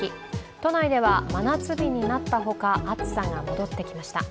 都内では真夏日になったほか、暑さが戻ってきました。